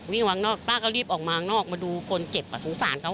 วิ่งออกมาข้างนอกป้าก็รีบออกมาข้างนอกมาดูคนเจ็บอ่ะสงสารเขา